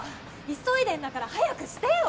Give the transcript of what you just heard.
急いでんだから早くしてよ！